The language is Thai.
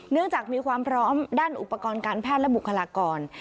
จากมีความพร้อมด้านอุปกรณ์การแพทย์และบุคลากร